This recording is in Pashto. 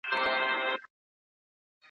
بازار د پیاوړو خلکو د ازموینې ځای دی.